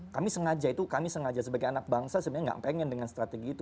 kami sengaja itu kami sengaja sebagai anak bangsa sebenarnya nggak pengen dengan strategi itu